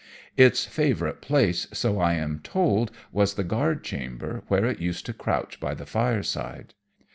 Its favourite place, so I am told, was the guard chamber, where it used to crouch by the fireside.